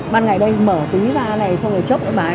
ban ngày đây mở túi ra này xong rồi chốc lại bác ấy